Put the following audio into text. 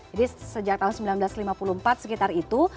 jadi sejak tahun seribu sembilan ratus lima puluh empat sekitar itu